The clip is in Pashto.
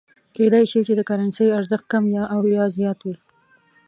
کېدای شي د کرنسۍ ارزښت کم او یا زیات وي.